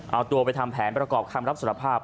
เอาตัวไปทำแผนประกอบคำรับสารภาพ